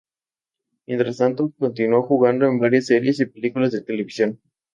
Mientras tanto, continuó jugando en varias series y películas de televisión.